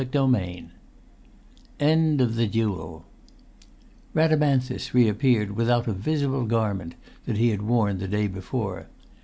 [Pg 162] XVI END OF THE DUEL Rhadamanthus reappeared without a visible garment that he had worn the day before.